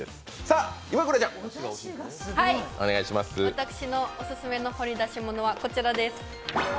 私のおすすめの掘り出し物は、こちらです。